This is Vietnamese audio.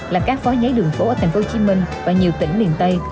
là các phó giấy đường phố ở tp hcm và nhiều tỉnh miền tây